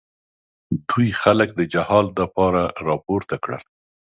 دوی خلک د جهاد لپاره راپورته کړل.